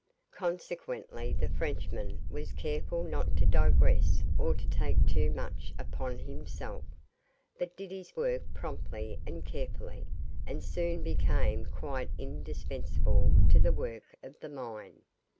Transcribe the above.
Consequently the Frenchman was careful not to digress or to take too much upon himself, but did his work promptly and carefully, and soon became quite indispensable to the work of the mine.